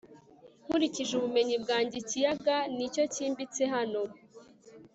nkurikije ubumenyi bwanjye, ikiyaga nicyo cyimbitse hano